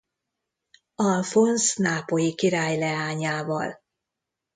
Alfonz nápolyi király leányával.